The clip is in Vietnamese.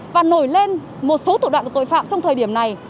và nổi lên một số thủ đoạn của tội phạm trong thời điểm này